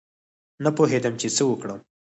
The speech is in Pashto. نه پوهېدم چې څه وکړم.